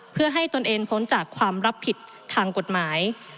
เพื่อให้ตนเองพ้นจากความรับผิดทางกฎหมาย